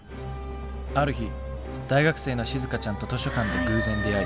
ある日大学生のしずかちゃんと図書館で偶然出会い。